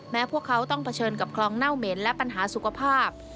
พวกเขาต้องเผชิญกับคลองเน่าเหม็นและปัญหาสุขภาพ